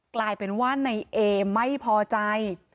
กลายเป็นว่าในเอไม่พอใจ